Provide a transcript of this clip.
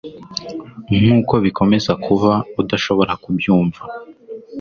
nkuko bikomeza kuba udashobora kubyumva